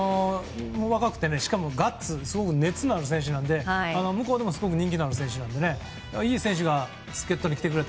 若くてねしかも熱のある選手なので向こうでもすごく人気のある選手なのでいい選手が助っ人に来てくれて。